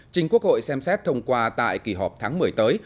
chính quốc hội xem xét thông qua tại kỳ họp tháng một mươi tới